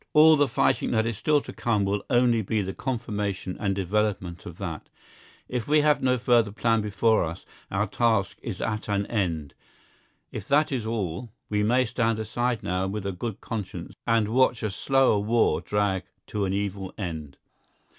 All the fighting that is still to come will only be the confirmation and development of that. If we have no further plan before us our task is at an end. If that is all, we may stand aside now with a good conscience and watch a slower war drag to an evil end.